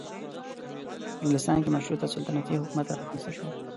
په انګلستان کې مشروطه سلطنتي حکومت رامنځته شو.